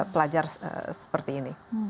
pelajar seperti ini